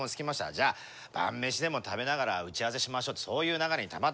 じゃあ晩飯でも食べながら打ち合わせしましょうってそういう流れにたまたまなって。